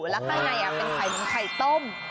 และในนียกอร์มเป็นไข่มันไข่ต้ม